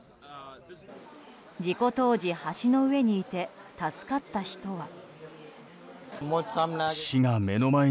事故当時、橋の上にいて助かった人は。